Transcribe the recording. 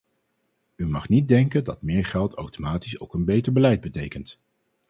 U mag niet denken dat meer geld automatisch ook een beter beleid betekent!